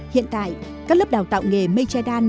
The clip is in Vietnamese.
hiện tại các lớp đào tạo nghề mây che đan